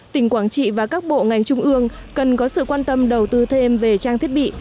tỉnh quảng trị và các bộ ngành trung ương cần có sự quan tâm đầu tư thêm về trang thiết bị